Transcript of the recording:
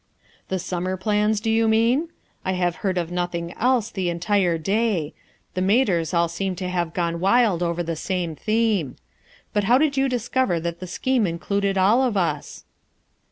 "The summer plans, do you mean? I have heard of nothing else the entire day; the maters all seem to have gone wild over the same theme. But how did you discover that the scheme in cluded all of us?"